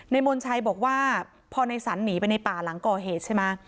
ในมนชัยบอกว่าพอนายสันหนีไปในป่าหลังก่อเหตุใช่มะ